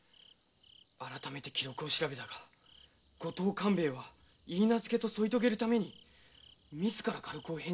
改めて記録を調べたが五島勘兵衛は許嫁と添い遂げるために自ら家禄を返上しただけではないか。